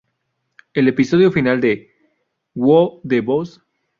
El episodio final de "Who's the Boss?